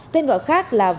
tên gọi khác là